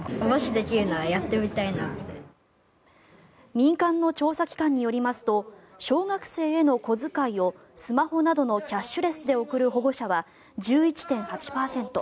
民間の調査機関によりますと小学生への小遣いをスマホなどのキャッシュレスで送る保護者は１１．８％。